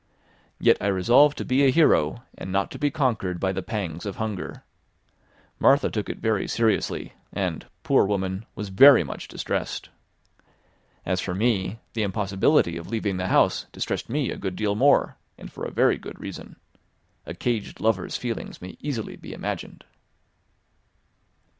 Yet I resolved to be a hero, and not to be conquered by the pangs of hunger. Martha took it very seriously, and, poor woman, was very much distressed. As for me, the impossibility of leaving the house distressed me a good deal more, and for a very good reason. A caged lover's feelings may easily be imagined.